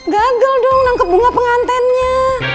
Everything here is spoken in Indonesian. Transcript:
gagal dong nangkep bunga pengantennya